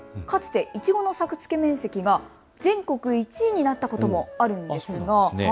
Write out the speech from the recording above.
かつていちごの作付面積が全国１位になったこともあるんですよね。